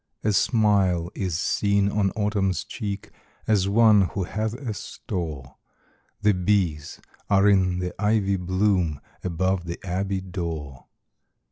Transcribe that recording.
A smile is seen on Autumn's cheek, As one who hath a store ; The bees are in the ivy bloom, Above the abbey door.